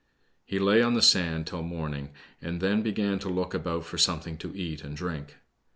He lay on the sand till morning, and then began to look about for something to eat and drink.